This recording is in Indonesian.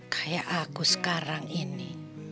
kayak aku sekarang ini